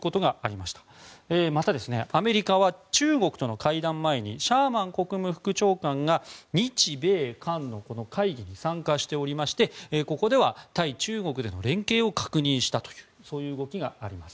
また、アメリカは中国との会談前にシャーマン国務副長官が日米韓の会議に参加しておりまして、ここでは対中国での連携を確認したという動きがあります。